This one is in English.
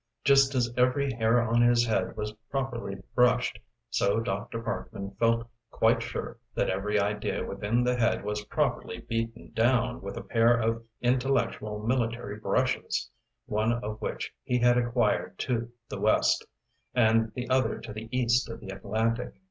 Just as every hair on his head was properly brushed, so Dr. Parkman felt quite sure that every idea within the head was properly beaten down with a pair of intellectual military brushes, one of which he had acquired to the west, and the other to the east of the Atlantic.